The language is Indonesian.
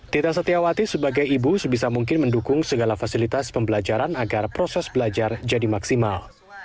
tita setiawati sebagai ibu sebisa mungkin mendukung segala fasilitas pembelajaran agar proses belajar jadi maksimal